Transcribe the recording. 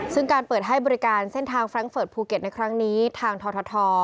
ซึ่งการเปิดให้บริการเส้นทางแร้งเฟิร์ตภูเก็ตในครั้งนี้ทางทท